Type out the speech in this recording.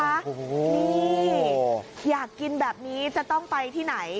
โอ้โหนี่อยากกินแบบนี้จะต้องไปที่ไหน